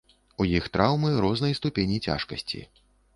У іх траўмы рознай ступені цяжкасці.